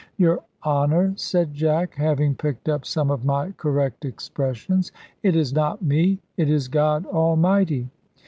"Your Honour," said Jack, having picked up some of my correct expressions, "it is not me; it is God Almighty.